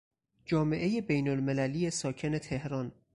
جامعهی بینالمللی ساکن تهران